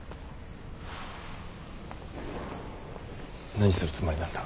何するつもりなんだ。